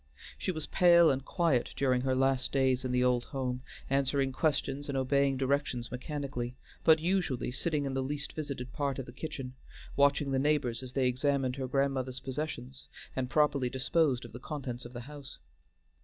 She was pale and quiet during her last days in the old home, answering questions and obeying directions mechanically; but usually sitting in the least visited part of the kitchen, watching the neighbors as they examined her grandmother's possessions, and properly disposed of the contents of the house.